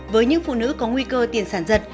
với những phụ nữ có nguy cơ tiền sản giật